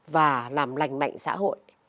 và làm lành mạnh xã hội